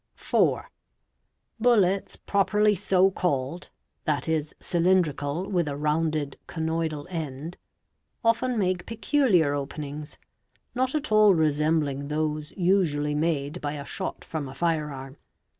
ae 4. Bullets properly so called (i.e., cylindrical with a rounded conoidal end) often make peculiar openings, not at all resembling those usually made by a shot from a fire arm.